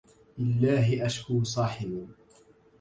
لله أشكو صاحبا